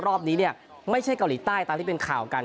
รอบนี้เนี่ยไม่ใช่เกาหลีใต้ตามที่เป็นข่าวกัน